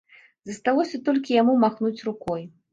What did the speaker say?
Засталося толькі яму махнуць рукой.